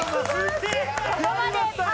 やりましたよ！